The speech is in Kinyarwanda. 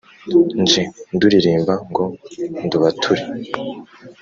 nje nduririmba ngo ndubature